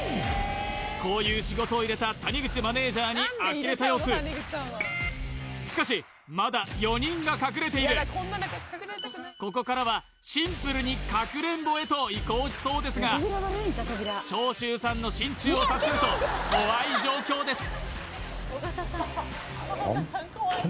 こういう仕事を入れた谷口マネージャーにあきれた様子しかしまだ４人が隠れているここからはシンプルにかくれんぼへと移行しそうですが長州さんの心中を察すると怖い状況です